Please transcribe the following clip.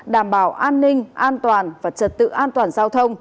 đảm bảo an ninh an toàn và trật tự an toàn giao thông